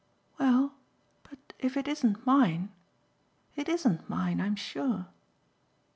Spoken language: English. "Well, but if it isn't mine? It ISN'T mine, I'm sure."